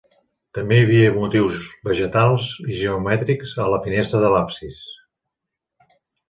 També hi havia motius vegetals i geomètrics a la finestra de l'absis.